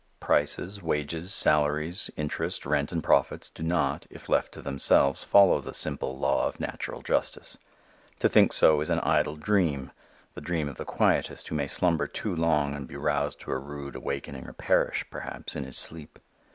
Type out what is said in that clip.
Prices, wages, salaries, interest, rent and profits do not, if left to themselves, follow the simple law of natural justice. To think so is an idle dream, the dream of the quietist who may slumber too long and be roused to a rude awakening or perish, perhaps, in his sleep.